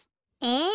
え！